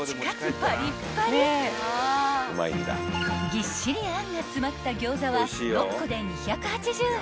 ［ぎっしり餡が詰まった餃子は６個で２８０円］